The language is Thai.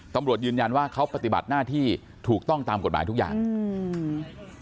ตำรวจยืนยันว่าเขาปฏิบัติหน้าที่ถูกต้องตามกฎหมายทุกอย่างอืม